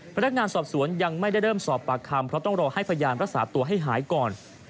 พนักงานสอบสวนยังไม่ได้เริ่มสอบปากคำเพราะต้องรอให้พยานรักษาตัวให้หายก่อน